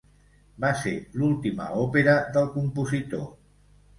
Va ser l'última òpera del compositor.